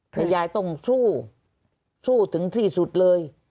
แต่ยายต้องสู้สู้ถึงที่สุดเลย